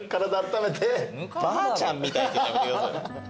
ばあちゃんみたいって言うのやめてください。